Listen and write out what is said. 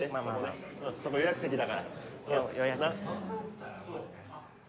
そこ予約席だからな。